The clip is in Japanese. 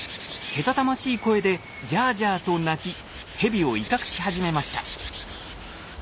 けたたましい声で「ジャージャー」と鳴きヘビを威嚇し始めました。